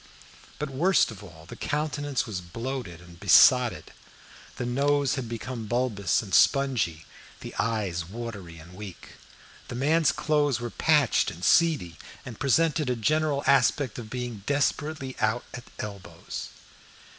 But, worst of all, the countenance was bloated and besotted. The nose had become bulbous and spongy, the eyes watery and weak. The man's clothes were patched and seedy, and presented a general aspect of being desperately out at elbows.